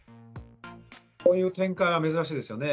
こういう展開は珍しいですよね。